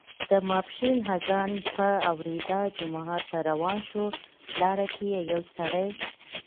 د ماسپښین اذان په اوریدا جومات ته روان شو، لاره کې یې یو سړی